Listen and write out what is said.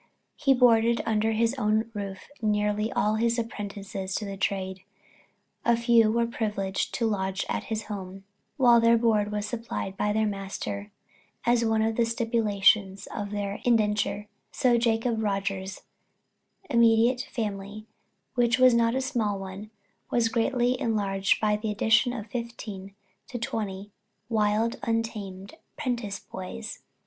He boarded under his own roof nearly all his apprentices to the trade; a few were privileged to lodge at home, while their board was supplied by their master, as one of the stipulations of their indenture; so Jacob Rogers' immediate family, which was not a small one, was greatly enlarged by the addition of fifteen to twenty wild, untamed "prentice" boys.